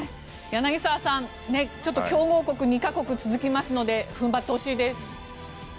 柳澤さん、ちょっと強豪国２か国が続きますので踏ん張ってほしいです。